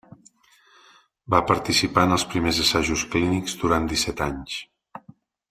Va participar en els primers assajos clínics durant disset anys.